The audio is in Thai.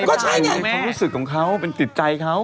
มีความรู้สึกของเขาเป็นติดใจเขา